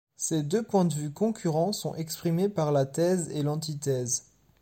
Ces deux points de vue concurrents sont exprimés par la thèse et l'antithèse.